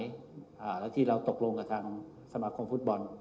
แล้วที่เราตกลงกับทางสมาคมฟุตบอล